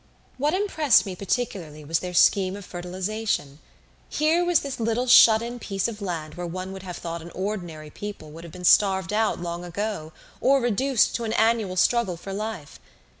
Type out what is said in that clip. What impressed me particularly was their scheme of fertilization. Here was this little shut in piece of land where one would have thought an ordinary people would have been starved out long ago or reduced to an annual struggle for life.